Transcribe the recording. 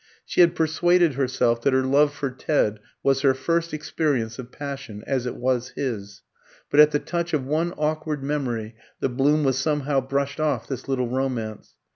She had persuaded herself that her love for Ted was her first experience of passion, as it was his; but at the touch of one awkward memory the bloom was somehow brushed off this little romance.